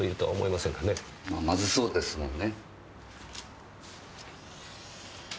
まあマズそうですもんね。